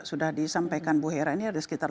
sudah disampaikan bu hera ini ada sekitar